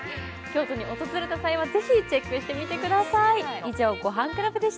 京都に訪れた際はぜひチェックしてみてください。